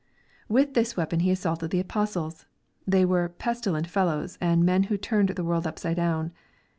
With this weapon he assaulted the apostles. They were " pestilent fellows," and men who " turned the world upside down."